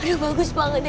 aduh bagus banget deh